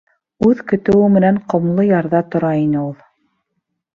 Үҙ көтөүе менән ҡомло ярҙа тора ине ул.